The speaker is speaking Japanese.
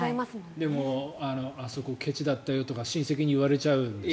でも、あそこけちだったよとか親戚に言われちゃうんだよ。